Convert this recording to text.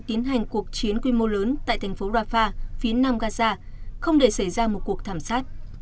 tiến hành cuộc chiến quy mô lớn tại thành phố rafah phía nam gaza không để xảy ra một cuộc thảm sát